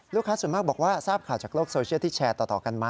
ส่วนมากบอกว่าทราบข่าวจากโลกโซเชียลที่แชร์ต่อกันมา